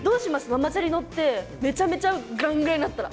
ママチャリ乗ってめちゃめちゃグラングランになったら。